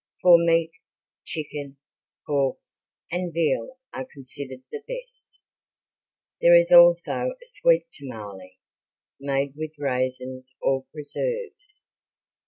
For meat, chicken, pork, and veal are considered the best. There is also a sweet tamale, made with raisins or preserves.